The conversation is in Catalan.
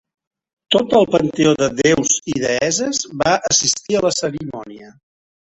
Tot el panteó de Déus i Deesses va assistir a la cerimònia.